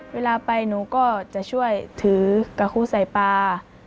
เวลาไปหนูก็จะช่วยถือกระทู้ใส่ปลา